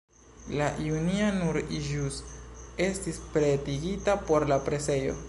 La junia nur ĵus estis pretigita por la presejo.